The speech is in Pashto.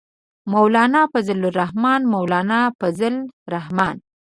مولانا فضل الرحمن، مولانا فضل الرحمن.